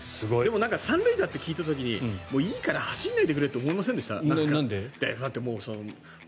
３塁打って聞いた時にいいから、走らないでくれって思いませんでした？